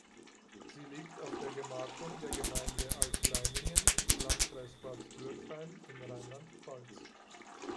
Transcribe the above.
Sie liegt auf der Gemarkung der Gemeinde Altleiningen im Landkreis Bad Dürkheim in Rheinland-Pfalz.